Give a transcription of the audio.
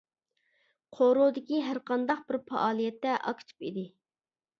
قورۇدىكى ھەر قانداق بىر پائالىيەتتە ئاكتىپ ئىدى.